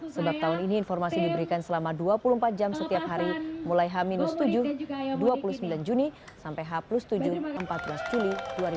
sebab tahun ini informasi diberikan selama dua puluh empat jam setiap hari mulai h tujuh dua puluh sembilan juni sampai h tujuh empat belas juli dua ribu dua puluh